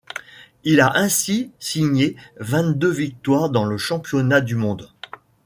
Il a ainsi signé vingt-deux victoires dans le championnat du monde.